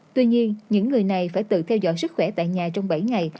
tuy nhiên những người này phải tự theo dõi sức khỏe tại nhà trong bảy ngày